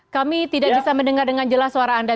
kami tidak bisa mendengar dengan jelas suara anda